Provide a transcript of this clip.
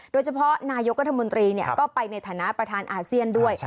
นายกรัฐมนตรีก็ไปในฐานะประธานอาเซียนด้วย